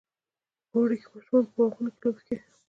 وری کې ماشومان په باغونو کې لوبې کوي.